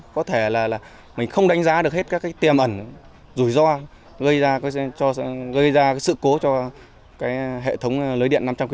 có thể là mình không đánh giá được hết các tiềm ẩn rủi ro gây ra sự cố